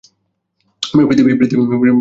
পৃথিবী এখন নিরাপদ।